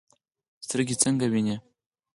سترګې څنګه ویني؟